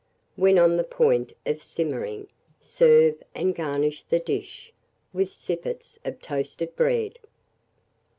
When on the point of simmering, serve, and garnish the dish with sippets of toasted bread.